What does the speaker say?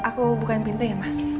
aku bukain pintu ya mak